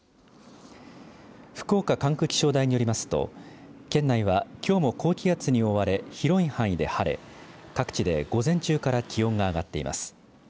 福岡管区気象台によりますと県内は、きょうも高気圧に覆われ広い範囲で晴れ各地で午前中から気温が上がっています。